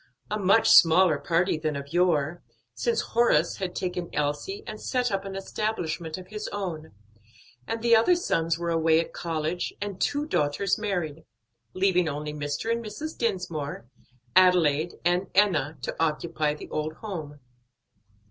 A much smaller party than of yore, since Horace had taken Elsie and set up an establishment of his own, and the other sons were away at college and two daughters married; leaving only Mr. and Mrs. Dinsmore, Adelaide and Enna to occupy the old home.